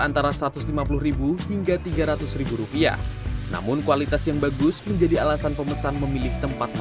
antara satu ratus lima puluh hingga tiga ratus rupiah namun kualitas yang bagus menjadi alasan pemesan memilih tempat